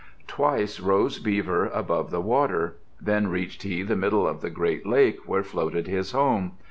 Twice rose Beaver above the water. Then reached he the middle of the great lake where floated his home.